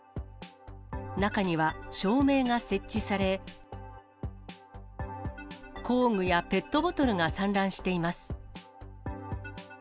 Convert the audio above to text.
中には、照明が設置され、工具やペットボトルが散乱しています。